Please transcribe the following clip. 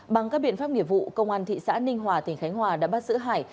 bằng các biện pháp nghiệp vụ công an thị xã ninh hòa tỉnh khánh hòa đã bắt giữ hải